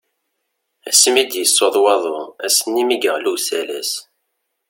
Asmi i d-yessuḍ waḍu, ass-nni mi yeɣli usalas.